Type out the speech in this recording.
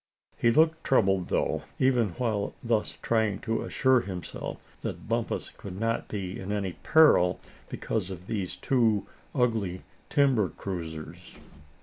He looked troubled, though, even while thus trying to assure himself that Bumpus could not be in any peril because of these two ugly timber cruisers.